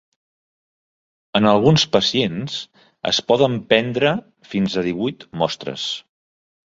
En alguns pacients es poden prendre fins a divuit mostres.